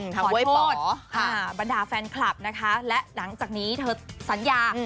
ขอโทษบรรดาฟแฟนคลับและหลังจากนี้เธอสัญญา